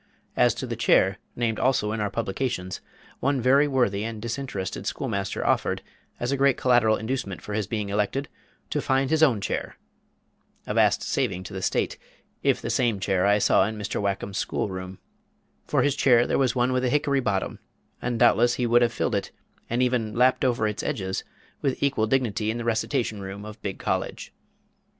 As to the "chair" named also in our publications, one very worthy and disinterested schoolmaster offered, as a great collateral inducement for his being elected, "to find his own chair!" a vast saving to the State, if the same chair I saw in Mr. Whackum's school room. For his chair there was one with a hickory bottom; and doubtless he would have filled it, and even lapped over its edges, with equal dignity in the recitation room of Big College.